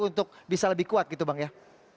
untuk bisa lebih kuat gitu bang ya